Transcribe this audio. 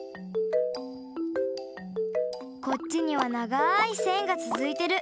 こっちにはながいせんがつづいてる。